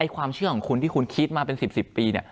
ความเชื่อของคุณที่คุณคิดมาเป็น๑๐ปี